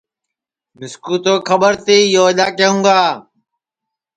مِسکُو تو کھٻر تی یو اِدؔا کیہوں گا